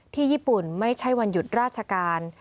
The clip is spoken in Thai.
ญี่ปุ่นไม่ใช่วันหยุดราชการ